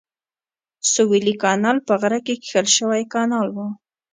سویلي کانال په غره کې کښل شوی کانال و.